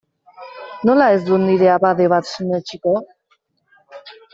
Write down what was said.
Nola ez dut nire abade bat sinetsiko?